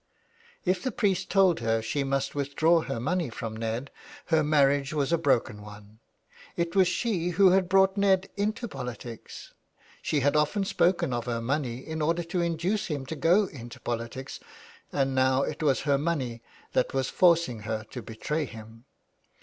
If the priest told her she must withdraw her money from Ned, her marriage was a broken one. It was she who had brought Ned into politics; she had often spoken of her money in order to induce him to go into politics, and now it was her money that was forcing her to betray him.